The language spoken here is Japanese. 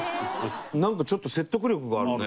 なんかちょっと説得力があるね。